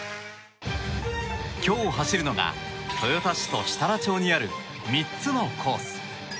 今日走るのが豊田市と設楽町にある３つのコース。